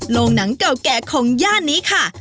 โรงหนังเก่าแก่ของย่านนี้ค่ะ